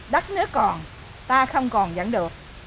đất nước còn ta không còn vẫn được